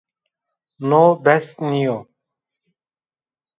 No bes nîyo